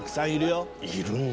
いるんだ